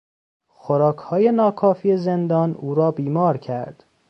خوراکهای ناکافی زندان او را بیمار کرد.